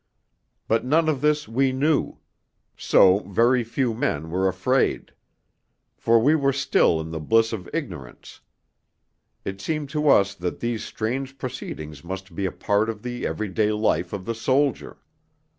But none of this we knew; so very few men were afraid. For we were still in the bliss of ignorance. It seemed to us that these strange proceedings must be a part of the everyday life of the soldier.